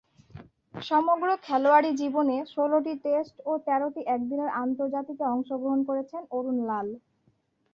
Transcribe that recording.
সমগ্র খেলোয়াড়ী জীবনে ষোলটি টেস্ট ও তেরোটি একদিনের আন্তর্জাতিকে অংশগ্রহণ করেছেন অরুণ লাল।